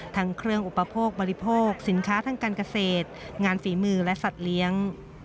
ทั้งเครื่องอุปโภคบริโภคสินค้าทางการเกษตรงานฝีมือและสัตว์เลี้ยง